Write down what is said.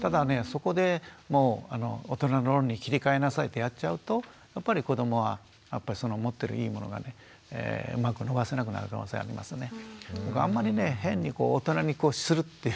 そこでもう大人の論理に切り替えなさいってやっちゃうとやっぱり子どもはその持ってるいいものがねうまく伸ばせなくなる可能性がありますよね。